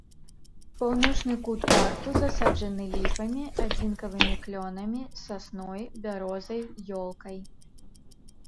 Паўночны кут парку засаджаны ліпамі, адзінкавымі клёнамі, сасной, бярозай, ёлкай.